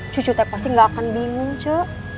cucu teh pasti gak akan bingung cek